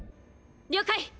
了解。